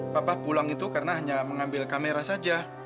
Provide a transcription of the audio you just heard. papa pulang itu karena hanya mengambil kamera saja